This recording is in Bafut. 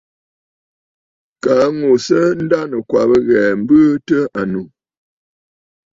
Kaa ŋù à sɨ a ndanɨ̀kwabə̀ ghɛ̀ɛ̀ m̀bɨɨ tɨ ànnù.